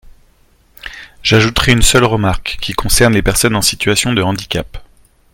J’ajouterai une seule remarque, qui concerne les personnes en situation de handicap.